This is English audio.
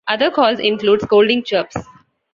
Other calls include scolding chirps.